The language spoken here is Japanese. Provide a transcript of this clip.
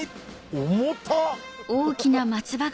重たっ！